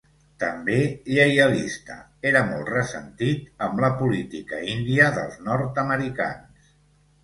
També lleialista, era molt ressentit amb la política índia dels nord-americans.